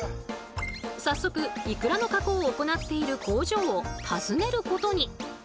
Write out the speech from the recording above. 早速いくらの加工を行っている工場を訪ねることに。